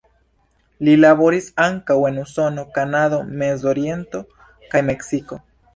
Li laboris ankaŭ en Usono, Kanado, Mezoriento kaj Meksiko.